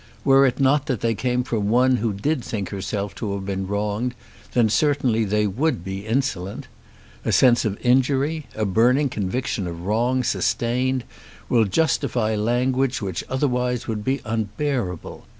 Were it not that they came from one who did think herself to have been wronged, then certainly they would be insolent. A sense of injury, a burning conviction of wrong sustained, will justify language which otherwise would be unbearable.